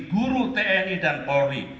guru tni dan polri